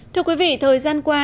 thưa quý vị thời gian qua